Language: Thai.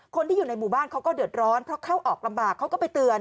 คนที่อยู่ในหมู่บ้านเขาก็เดือดร้อนเพราะเข้าออกลำบากเขาก็ไปเตือน